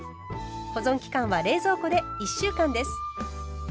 保存期間は冷蔵庫で１週間です。